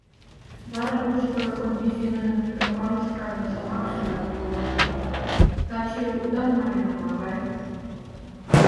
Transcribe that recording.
Вара вуйышкыжо Фонвизинын Митрофанушкажын шомакше-влак толын пурат: «Таче удан маленам, авай».